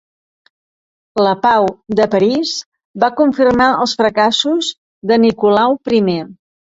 La Pau de París va confirmar els fracassos de Nicolau I.